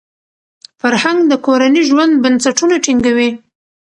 فرهنګ د کورني ژوند بنسټونه ټینګوي.